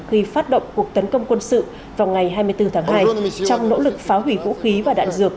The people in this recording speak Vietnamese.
khi phát động cuộc tấn công quân sự vào ngày hai mươi bốn tháng hai trong nỗ lực phá hủy vũ khí và đạn dược